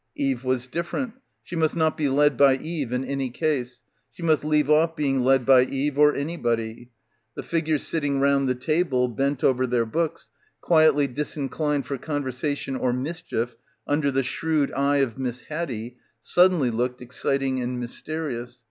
Eve was different. She must not be led by Eve in any case. She must leave off being led by Eve — or anybody. The figures sitting round the table, bent over their books, quietly disin clined for conversation or mischief under the shrewd eye of Miss Haddie, suddenly looked exciting and mysterious.